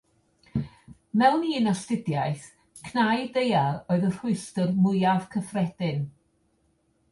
Mewn un astudiaeth, cnau daear oedd y rhwystr mwyaf cyffredin.